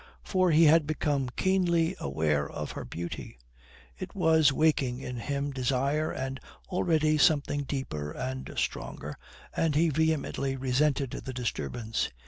For he had become keenly aware of her beauty. It was waking in him desire and already something deeper and stronger, and he vehemently resented the disturbance.